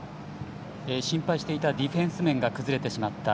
心配していたディフェンス面が崩れてしまった。